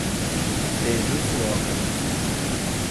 Tejuçuoca